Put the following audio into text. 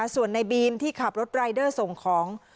ส่วนในบีมที่ขับรถรายเดอร์ส่งของ